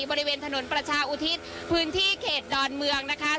บริเวณถนนประชาอุทิศพื้นที่เขตดอนเมืองนะคะ